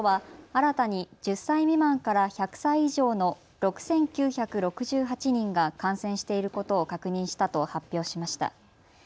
東京都は新たに１０歳未満から１００歳以上の６９６８人が感染していることを確認したと発表しました。